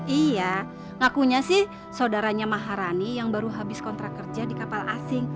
iya ngakunya sih saudaranya maharani yang baru habis kontrak kerja di kapal asing